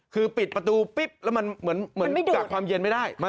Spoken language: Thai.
คือปิดประตูปิ๊บแล้วมันเหมือนกักความเย็นไม่ได้